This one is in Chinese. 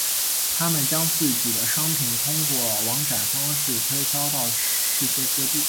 他们将自己的商品通过网展方式推销到世界各地。